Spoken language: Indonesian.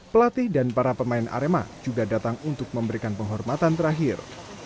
pelatih dan para pemain arema juga datang untuk memberikan penghormatan terakhir